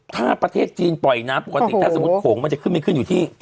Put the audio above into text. ถ้าประเทศจีนปล่อยน้ำปกติถ้าสมมุติโขงมันจะขึ้นไม่ขึ้นอยู่ที่